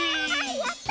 やった！